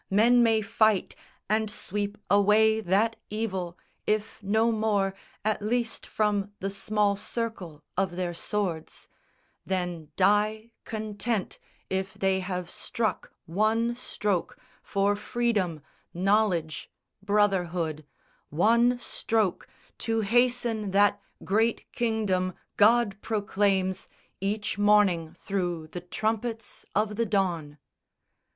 Men may fight And sweep away that evil, if no more, At least from the small circle of their swords; Then die, content if they have struck one stroke For freedom, knowledge, brotherhood; one stroke To hasten that great kingdom God proclaims Each morning through the trumpets of the Dawn.